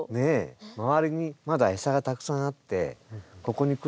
周りにまだ餌がたくさんあってここに来る必要がない。